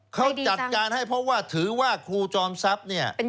ไปกับกัน